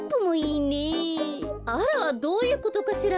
あらどういうことかしら。